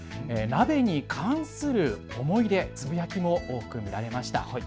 鍋に関する思い出、つぶやきも多く見られました。